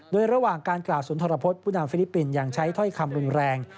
โดยระหว่างการกล่าวสุนทรพฤษผู้นำฟิลิปปินส์ยังใช้ถ้อยคำรุนแรง